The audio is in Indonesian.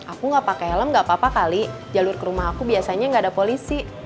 aku nggak pakai helm gak apa apa kali jalur ke rumah aku biasanya nggak ada polisi